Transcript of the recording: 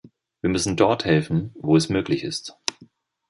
Wir müssen dort helfen, wo es möglich ist.